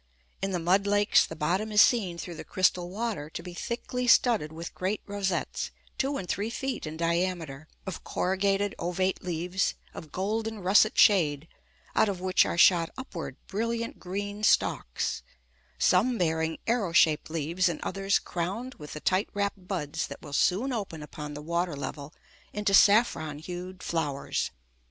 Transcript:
In the mud lakes, the bottom is seen through the crystal water to be thickly studded with great rosettes, two and three feet in diameter, of corrugated ovate leaves, of golden russet shade, out of which are shot upward brilliant green stalks, some bearing arrow shaped leaves, and others crowned with the tight wrapped buds that will soon open upon the water level into saffron hued flowers.